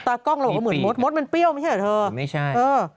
กล้องเราบอกว่าเหมือนมดมดมันเปรี้ยวไม่ใช่เหรอเธอไม่ใช่เออ